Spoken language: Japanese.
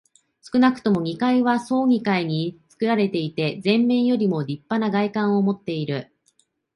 少なくとも二階は総二階につくられていて、前面よりもりっぱな外観をもっている。